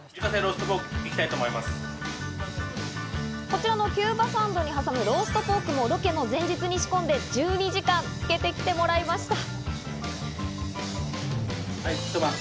こちらのキューバサンドに挟むローストポークもロケの前日に仕込んで１２時間漬けてきてもらいました。